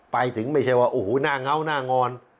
ไปถึงไม่ใช่ว่าโอ้โหหน้าเงาหน้างอน